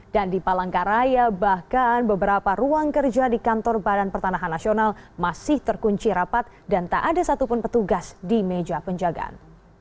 dan di palangkaraya bahkan beberapa ruang kerja di kantor badan pertanahan nasional masih terkunci rapat dan tak ada satupun petugas di meja penjagaan